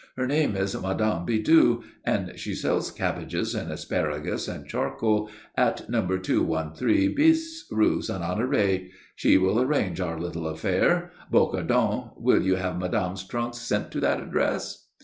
Her name is Mme. Bidoux, and she sells cabbages and asparagus and charcoal at No. 213 bis, Rue Saint Honoré. She will arrange our little affair. Bocardon, will you have madame's trunks sent to that address?"